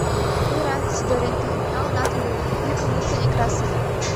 — Йӧра, Сидоренко, налына тудым, — йӱкым лукто Некрасов.